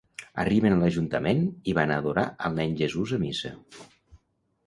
Arriben a l'Ajuntament i van a adorar al nen Jesús a missa.